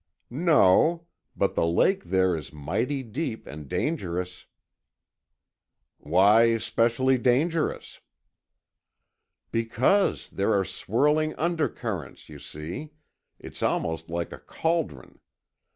"No. But the lake there is mighty deep and dangerous." "Why specially dangerous?" "Because there are swirling undercurrents, you see, it's almost like a caldron.